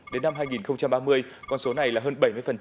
đến năm hai nghìn ba mươi con số này là hơn bảy mươi